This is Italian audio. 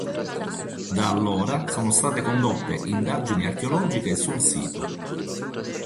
Da allora sono state condotte indagini archeologiche sul sito.